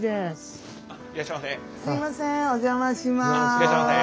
いらっしゃいませ。